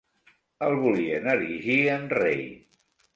El volien erigir en rei.